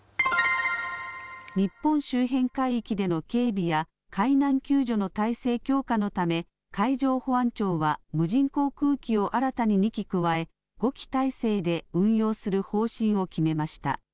日本周辺海域での警備や、海難救助の体制強化のため、海上保安庁は無人航空機を新たに２機加え、５機体制で運用する方針を決めました。